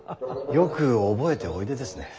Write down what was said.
よく覚えておいでですね。